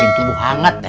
bikin tubuh hangat ya